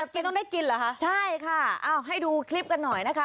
แกต้องได้กินเหรอคะใช่ค่ะเอาให้ดูคลิปกันหน่อยนะคะ